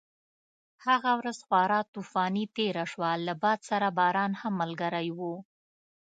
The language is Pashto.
هغه ورځ خورا طوفاني تېره شوه، له باد سره باران هم ملګری و.